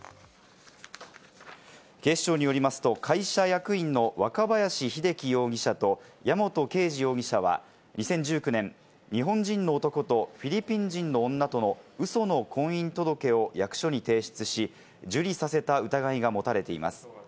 警視庁によりますと、会社役員の若林秀機容疑者と矢本啓二容疑者は２０１９年、日本人の男とフィリピン人の女とのウソの婚姻届を役所に提出し、受理させた疑いが持たれています。